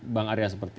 bang arya seperti itu